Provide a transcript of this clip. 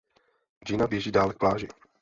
Gina běží dále k pláži.